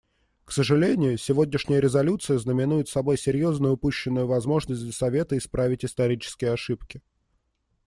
К сожалению, сегодняшняя резолюция знаменует собой серьезную упущенную возможность для Совета исправить исторические ошибки.